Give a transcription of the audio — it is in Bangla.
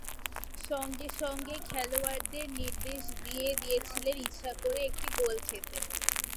সঙ্গে সঙ্গেই খেলোয়াড়দের নির্দেশ দিয়ে দিয়েছিলেন ইচ্ছা করে একটি গোল খেতে।